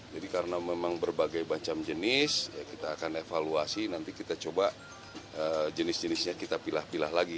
jadi karena memang berbagai macam jenis kita akan evaluasi nanti kita coba jenis jenisnya kita pilah pilah lagi